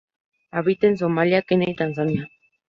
Habita en Somalia, Kenia y Tanzania.